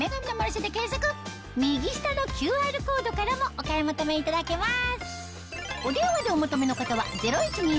右下のＱＲコードからもお買い求めいただけます